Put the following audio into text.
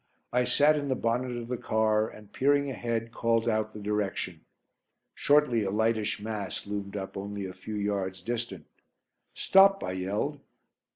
I sat in the bonnet of the car and, peering ahead, called out the direction. Shortly a lightish mass loomed up only a few yards distant. "Stop!" I yelled.